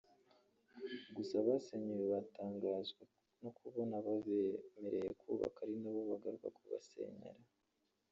gusa abasenyewe batangajwe no kubona ababemereye kubaka ari bo bagaruka kubasenyera